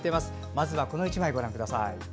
まずはこの１枚をご覧ください。